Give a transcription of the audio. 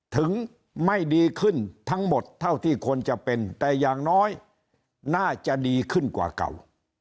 ถึงไม่ดีขึ้นทั้งหมดเท่าที่ควรจะเป็นแต่อย่างน้อยน่าจะดีขึ้นกว่าเก่า